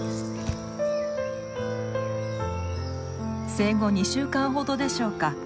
生後２週間ほどでしょうか。